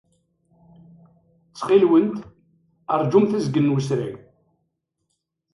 Ttxil-went, ṛjumt azgen n wesrag.